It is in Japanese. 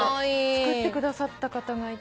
作ってくださった方がいて。